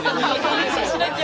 感謝しなきゃ。